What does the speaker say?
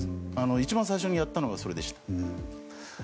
一番最初にやったのがそれでした。